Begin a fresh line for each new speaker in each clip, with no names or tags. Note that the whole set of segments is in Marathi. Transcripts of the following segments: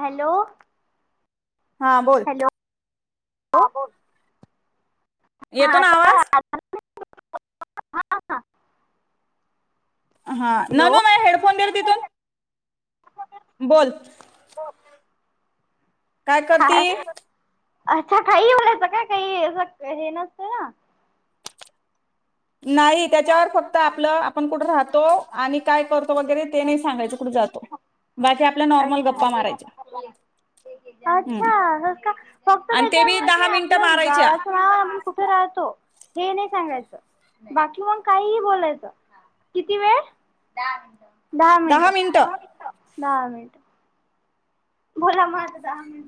हॅलो.
हा बोल.
हॅलो हा बोल.
येतो ना आवाज
हा हा.
नॅनो माझे हेडफोन दे रे तिथून बोल. काय करती
अच्छा काही बोलायचं काय काही असं हे नसतं ना.
नाही त्याच्यावर फक्त आपलं आपण कुठं राहतो आणि काय करतो वगैरे ते नाही सांगायचं कुठे जातो बाकी आपल्या नॉर्मल
अच्छा
गप्पा मारायच्या
अच्छा
हम्म.
का फक्त
आणि ते बी दहा
त्याच्या
मिनिटं
आपलं
मारायच्या.
गावाचं नाव आम कुठे राहत. हे नाही सांगाय. किन काही बोलायच किती वेळ दहा मि दहा मिनट दहा मिनट दहा मिनट बोला म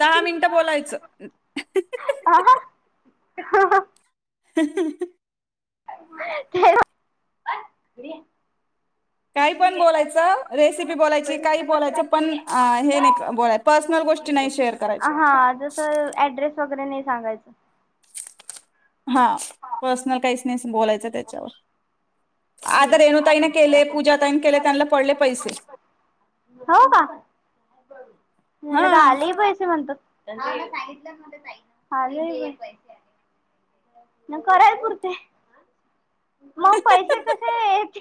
दहा मिनिटं बोलायचं.
ह.
ह.
[unintelligible]
काही पण बोलायचं रेसिपी बोलायची काही बोलायचं पण हे नाही बोय पर्सनल गोष्टी नाही शेअर करायच्या.
हा जस ऍड्रेस वगैरे नाही सांगायचं.
हा पर्सनल काहीच नाही बोलायचं त्याच्यावर आदर
ठीक
रेणुताईने केले
आहे.
पूजाताईन केले त्यांना पडले पैसे
हो का त्यांना
हा
तर आलेही पैसे म्हणतात. त्यांना सांगितलं माझ्या ताईने पैसे आले. नग कराय पुरते. मग पैसे कसे यायचे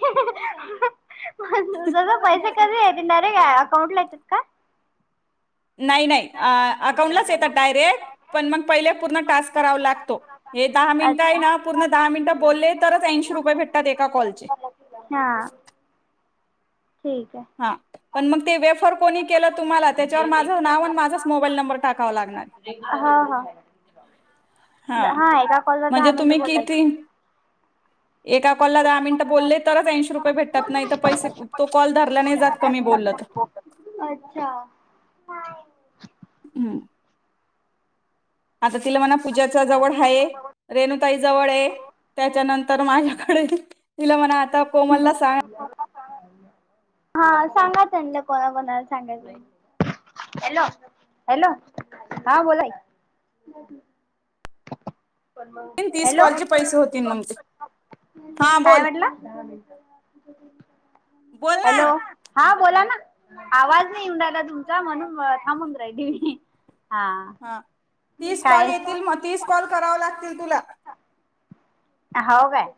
ज पैसे कारण इनडायरेक्ट अकाउंटला येतात का?
नाही नाही अकाउंटलाच येतात डायरेक्ट पण मग पहिले पूर्ण टास्क करावा लागतो हे. दहा मिनिटं आहे
अच्छा.
ना पूर्ण दहा मिनिटं बोलले तरच ऐंशी रुपये भेटतात एका कॉलचे
हा. ठीक
हा पण मग ते वेपर.
[unintelligible]
माझाच मोबाईल नंबर टाकावा लागणार
हा एका कॉलवर दहा
म्हणजे
मिनट
तुम्ही
बोलायच.
किती एका कॉलला दहा मिनिटं बोलले तरच ऐंशी रुपये भेटतात, नाही तर पैसे तो कॉल. धरला नाही जात कमी बोललं तर
अच्छा [unintelligible]
हम्म. आता तिला म्हणा पूजाचा जवळ आहे, रेणुताई जवळ आहे. त्याच्यानंतर माझ्याकडे तिला म्हणा, आता कोमलला सांग.
हा सांगाच म्हलं कोणा कोणाला सांगायचं आहे. हॅलो हॅलो हा बोलाय. [unintelligible]
तीस कॉलचे
हॅलो
पैसे होतील मग ते
काय
हा
म्हटलं
बोल
[unintelligible]
बोल ना
हॅलो हा. बोला ना आवाज नाहीऊन राहिला, तुमचा म्हणून थांबून राहिली मी. हा
तीस कॉल
काय.
येतील मग तीस कॉल कराव लागतील तुला.
हो. काय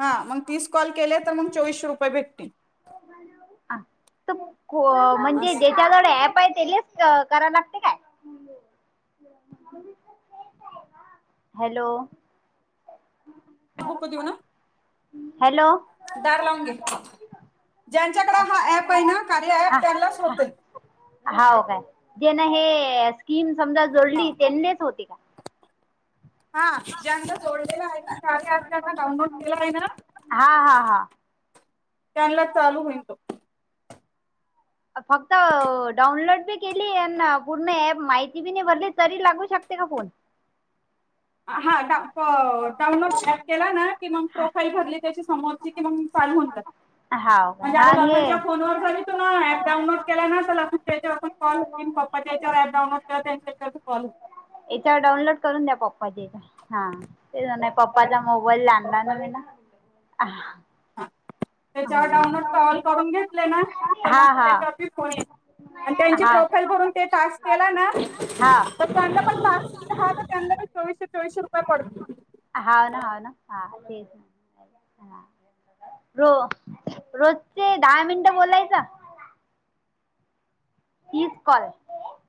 हा मग तीस कॉल केले तर मग चोवीसशे रुपये भेटते.
म्हणजे
असं
ज्याच्याकडे अँप आहे. तेलेच करा लागते का. हॅलो.
बुक कती हो ना.
हॅलो.
दार लावून घे. ज्यांच्याकडे हा ऍप आहे ना कार्य प त्यांनाच होते.
हो काय जेना हे स्कीम समजा
हा
जोडली त्यांनीच होती का.
हा ज्यांना जोडलेला आहे, श त्यांना डाउनलोड केला आहे ना.
हा हा हा.
त्यांला चालू होईनल तो.
फक्त डाऊनलोड बी केली, आणि पूर्ण प माहिती बी नाही, भरली तरी लागू शकत. का फोन. [unintelligible]
हा डा डाउनलोड ऍप केला ना, की मग प्रोफाईल भरली त्याची समोरची कि मग. चालवून जात
हाव
[unintelligible]
काय
म्हणजे
हा
आता
आणि हे
लकांच्या फोन ववर झा तू ऍप डाऊनलोड केला ना कॉल होप्पा [unintelligible] त्याच्यावरपडाऊन असत त्यां फॉल हो.
इथवर डाऊनलोड करून द्या प हा ते पप्पाचा मोबाईल लाला ना ना.
त्याच्यावर डाउनलोड तर ऑल करून घेतले ना, तर मग
हा हा.
त्याच्यावर फोनेत आणि त्यांची
हा
प्रोफाईल भरून ते टास्क केला ना.
हा
ण बा त्यांना चोवीसशे चोवीसशे रुपये पडत.
हाव ना हा ना हा ते ना. रो रोजचे दहा मिनिट बोलायच. तीच क [unintelligible]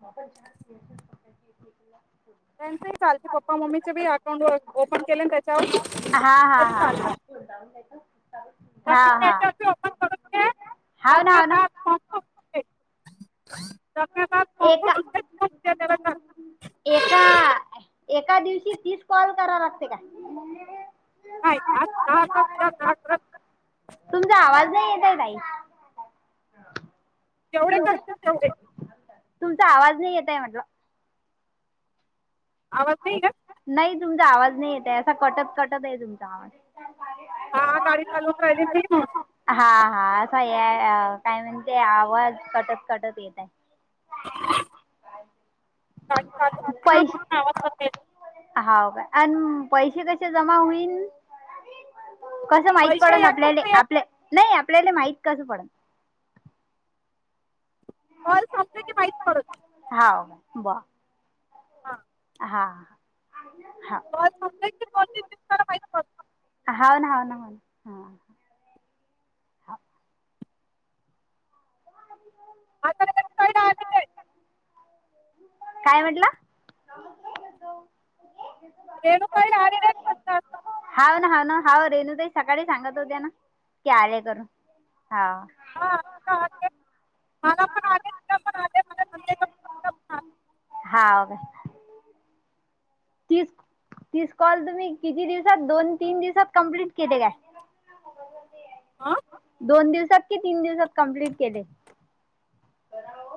म आपण छान [unintelligible]
त्यां लचे पप्पा मम्मीचे बी अकाउंट ओपन केले त्याच्यावर.
हा हा हा हा.
आपण [unintelligible]
होव ना ह ना.
ते.
एका
त्याला कर
एका. एका दिवशी तीस कॉल करा लागते का.
आजहा.
अ ताई
जेवढे
तुमच
करतील तेवढे.
तुमचा आवाज नाही येतय म्हटलं.
आवाज नाही का
नाही तुमचा आवाज नाही येते असा कटत कटत आहे तुमचा आवाज.
हा गाडी चालूण राहिली म्हणून.
हा हा असा आहे काय म्हणते आवाज कटत कटत येत आहे.
ह. काय चालय,
पैश
तुमचा आवाज -
हाव का अण पैसे कसे जमा होईन. कसं माहित
पैसे
पडन आपल्याले
एकच येत
आपल्या नाही आपल्याले माहित कसं पडण.
कॉल संपले की माहीत पडत.
हव म बा.
हा. कॉल संपले की दोन तीन दिवसाला माहीत पडत
[inaudible] हा.
[unintelligible]
काय म्हटलं.
रेणु ताईला आले नाही म्हंटल. आस.
होना रेनू ताई सकाळी सांगत होत्या ना की आले करून हाव.
[unintelligible] पण आले.
हा हो. तीस तीस कॉल तुम्ही किती दिवसात दोन तीन दिवसात कमप्लीट केले काय. [unintelligible]
आ.
दोन दिवसात कि तीन दिवसात कमप्लीट केले.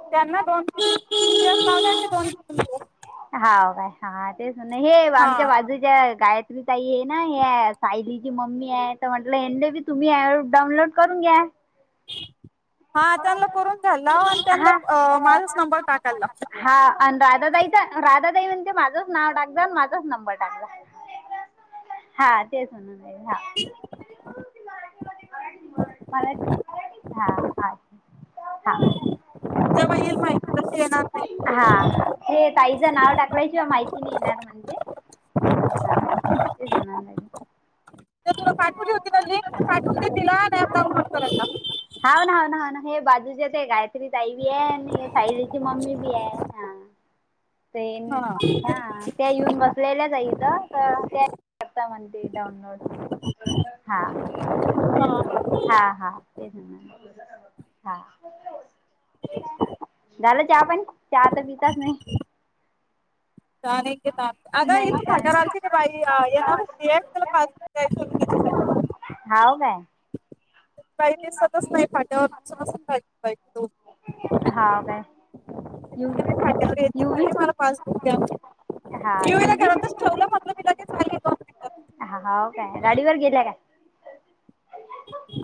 त्यांना दोन ते तीन दिवस.
हा काय हा तेच म्हण हे
हा
आमच्या बाजूच्या गायत्री ताई आहे ना या सायलीची मम्मी आहे तर म्हटलं हे बी तुम्ही प डाउनलोड करून घ्या.
हा त्यांना करून घ्यायला लाव आणि त्यांना
हा
माझाच नंबर टाकायला लाव.
हा आणि राधा ताईचा राधा ताई म्हणते माझंच नाव टाकजा अण माझाच नंबर टाकजा. हा तेच म्हणून ह. मराठीत हा हा.
तेव्हा येईल माहिती तशी येणार नाही
हा ते ताईचं नाव टाकळ्याशिवाय माहिती किनी. येणार म्हणते हा ते लागे
तर तुला पाठवली होती ना लिंक ति पाठवउन दे तिला आणि एप डॉनलो करायला लाव.
हाव ना हाव ना हाव ना हे बाजूच्या ते गायत्री ताई बी आहे आणि सायलीची मम्मी बी आहे हाय. न
हा
ह त्या येऊन बसलेल्याच आहे इथं. करता म्हणते डउनलोड. हा ते हा हा ते ना हा झालं चहा पाणी चहा तर पितच नाही. नाही चहा
[unintelligible]
हाव. काय
काही दिसातच नाही फाट्यावर दिसूनहि पाहित
हा का.
पा
हा
घरात ठेवलं म्हट म झा.
हाव काय गाडीवर गेल्या काय.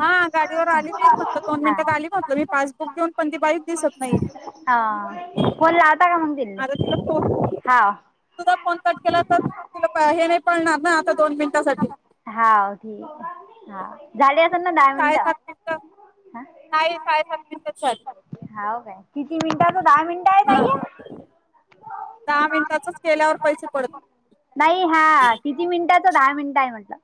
हा गाडीवर आली तेत म्हटलं दोन
हा
मिनिटात आली म्हटलं मी पासबुक देेऊन पण ती बारीच दिसत नाही.
हा फोन लावता का म्हणुन दिलेले
आता तिला फोन
हाव-
तुझा फोन कॅट केला तर तुला हे नाही कळणार ना आता दोन मिनिटांसाठी-
हा ठीक हा झाले अस ना- दहा
साडे
मिनिटं
सात मिनटच नाही साडे सात मिनटच झाले.
हा काय किती मिनिटाच दहा मिनिटं आहेत ताई
हा
हे
दहा मिनिटाचंच केल्यावर पैसे पडतात
नाही हा किती मिनिटात- दहा मिनिट आहे म्हटलं.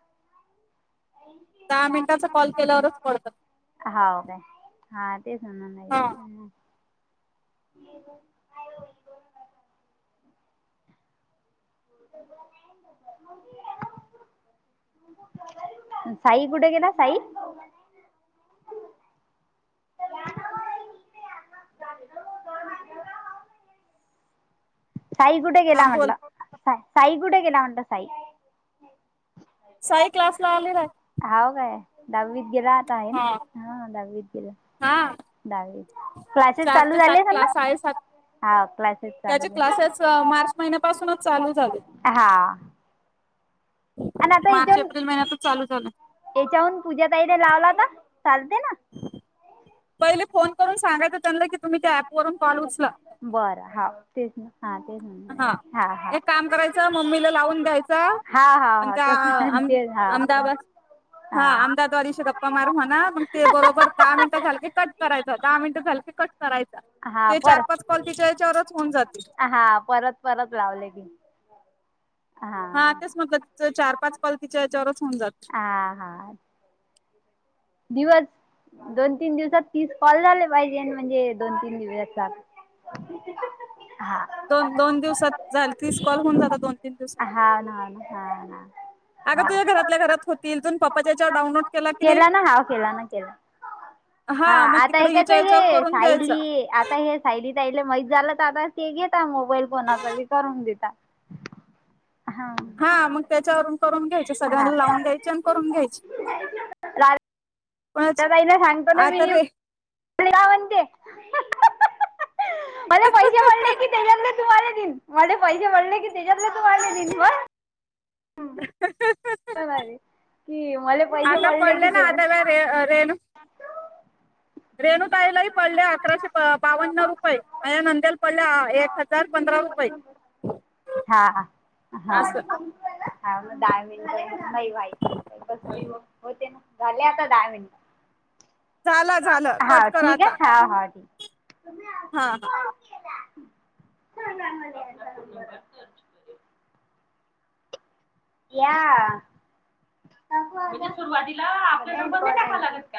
दहा मिनिटाचा
हो
कॉल केल्यावरच पडतात
का हा... ते झालं
हा
नाहीये [unintelligible] [unintelligible] साई कुठे गेला साई साई कुठे
हा
गेला
बोल
म्हटलं साई कुठे गेला म्हटलं साई-
साई क्लास ला आलेला आय
हाव काय दहावीत गेला आता आहे ना, हा दहावीत गेला
हा
दहावीत क्लासेस
चार
चालू
ते सात
झाले [unintelligible] ना?
क्लास साडेसात
हा क्लासेस
त्याचे
चालू
क्लासेस मार्च महिन्यापासूनच चालू झाले
[unintelligible] हा आणि आता
मार्च
इथून
एप्रिल महिन्यातच चालू झाले
याच्याहून पूजा ताईले लावला ना चालते ना
[inaudible] पहिले फोन करून सांगायचं त्यांनला, की तुम्ही त्या ऍप वरुन कॉल उचला
बरं हा तेच ना हा तेच
हा
म्हणून हा
एक काम करायचं, मम्मीला लावून द्यायच,
हा हा
अन
हा
का
तसं
अम
तेच हा
अहमदाबाद हा अमदाद्वादिशी गप्पा मार म्हणा, मंग ते बरोबर दहा मिनिटं झाल की कट करायचं, दहा मिनिटच झाल कट करायचा,
हा
ते चार
परत
पाच कॉल तिच्या ह्याच्यावरच होऊन जातील.
हा परत परत लावले की [unintelligible]
हा तेच म्हटलं तिचे चार पाच कॉल तिच्या ह्याच्यावरच
आ हा. दिवस दोन तीन दिवसात तीस कॉल झाले पाहिजे न म्हणजे दोन तीन दिवसात [unintelligible]
दोन दोन दिवसात झाले तीस कॉल होऊन जातात दोन तीन दिवसात
हाव ना हाव ना
अगं
हाव
तुझ्या
ना
घरातल्या घरात होतील, तुण पप्पाच्या ह्याच्यावर डाउनोट केला की नई?
हा केला ना केला हा
मग
आता हे
तिकडे
कस
हिच्या याच्यावर
हे
करून द्यायचा
सायली, आता हे सायली ताईले माहीत झा चालत आता ते घेता मोबाईल कोनाचा बि करून देता हा
हा मग त्याच्यावरून करून घ्यायची,
हा
सगळ्यांना लावून द्यायची आणि करून घ्यायची.
[unintelligible] त्या ताईला सांगतो ना
आता
मी
रे
[unintelligible] मला पैसे पडले की त्याच्यातल तुम्हाला दिन, मला पैसे पडले की त्याच्यातले तुम्हाला दिन [unintelligible] [unintelligible] कि मले पैसे
आता
पडले की
ना आता
[unintelligible]
रेणु ताईलाही पडले अकराशे प बावन्न रुपये, माझ्या नंदेला पडले आ एक हजार पंध [unintelligible] रा रुपये
हा हा हा
असं
हा म दहा मी झाले का दहा मिंट? नाही माहित, होते ना झाले आता दहा मिनटं
झालं झालं कट
हा
कर
ठीक
आता
आहे, हा हा ठीक
हा हा.
[unintelligible] या [unintelligible] सुरुवातीला आपल्या नंबर नई टाकाव लागत का?